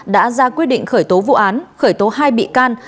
đã ra quyết định khởi tố vụ án khởi tố hai bị can